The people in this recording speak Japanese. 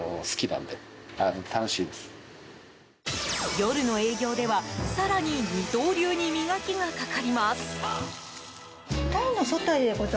夜の営業では更に二刀流に磨きがかかります。